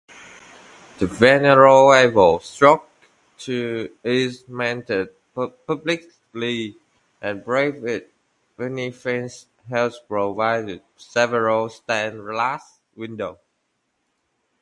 The venerable structure is maintained publicly, and private munificence has provided several stained-glass windows.